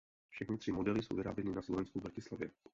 Všechny tři modely jsou vyráběny na Slovensku v Bratislavě.